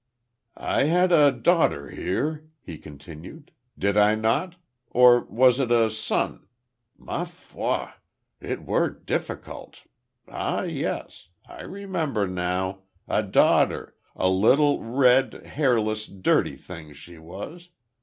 "I had a daughter here," he continued. "Did I not? Or was it a son? Ma foi! It were difficult ah, yes! I remember now! A daughter. A little, red, hairless, dirty thing she was.